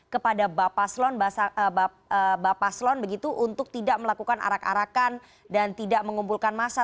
kepada bapak slon begitu untuk tidak melakukan arak arakan dan tidak mengumpulkan massa